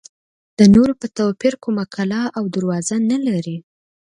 د نورو په توپیر کومه کلا او دروازه نه لري.